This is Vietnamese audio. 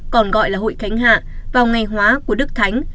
còn gọi là hội thánh hạ vào ngày hóa của đức thánh